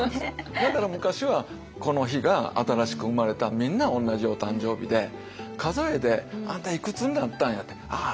だから昔はこの日が新しく生まれたみんな同じお誕生日で数えで「あんたいくつになったんや」って「ああ１０になったんか」と。